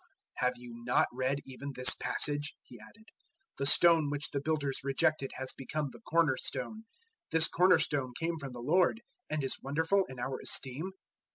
012:010 "Have you not read even this passage," He added, "'The stone which the builders rejected has become the Cornerstone: 012:011 this Cornerstone came from the Lord, and is wonderful in our esteem?'"